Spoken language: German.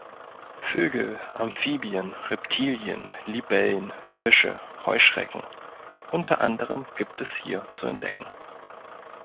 Vögel, Amphibien, Reptilien, Libellen, Fische, Heuschrecken unter anderem gibt es hier zu entdecken.